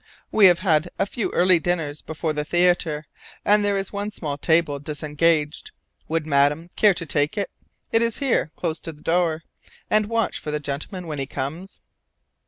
We have had a few early dinners before the theatre and there is one small table disengaged. Would madame care to take it it is here, close to the door and watch for the gentleman when he comes?"